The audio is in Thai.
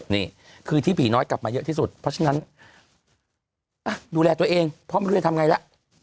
นี่คือที่ผีน้อยกลับมาเยอะที่สุดเพราะฉะนั้นดูแลตัวเองเพราะไม่รู้จะทำไงล่ะ